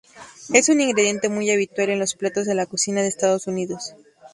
Es un ingrediente muy habitual en los platos de la cocina de Estados Unidos.